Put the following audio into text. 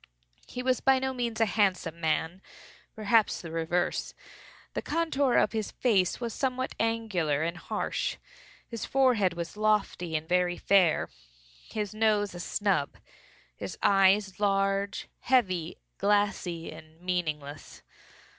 He was by no means a handsome man—perhaps the reverse. The contour of his face was somewhat angular and harsh. His forehead was lofty and very fair; his nose a snub; his eyes large, heavy, glassy, and meaningless.